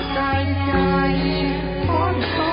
ทรงเป็นน้ำของเรา